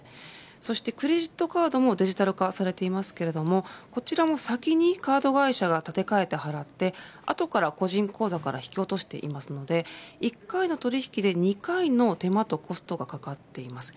そしてクレジットカードもデジタル化されていますけれどもこちらも先にカード会社が立て替えて払って後から個人口座から引き落としていますので１回の取引で２回の手間とコストがかかっています。